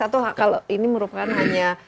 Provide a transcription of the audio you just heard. atau ini merupakan hanya